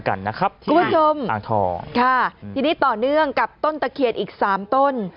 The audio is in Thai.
คุณผู้ชมทีนี้ต่อเนื่องกับต้นตะเขียนอีก๓ต้น